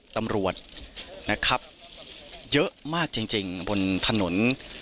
ตำรวจนะครับเยอะมากจริงบนถนน